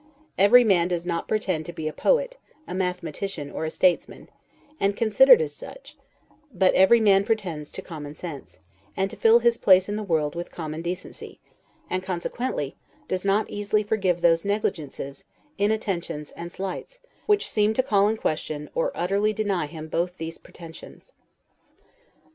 Every man does not pretend to be a poet, a mathematician, or a statesman, and considered as such; but every man pretends to common sense, and to fill his place in the world with common decency; and, consequently, does not easily forgive those negligences, inattentions and slights which seem to call in question, or utterly deny him both these pretensions.